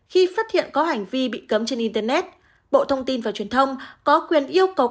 khi phát hiện có hành vi bị cấm trên internet bộ thông tin và truyền thông có quyền yêu cầu